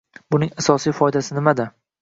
Buning asosiy foydasi nimada?